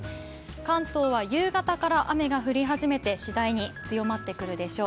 関東は夕方から雨が降り始めて次第に強まってくるでしょう。